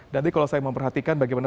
nanti kalau saya memperhatikan bagaimana